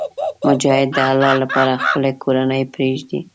مجاهد د الله لپاره خپله کورنۍ پرېږدي.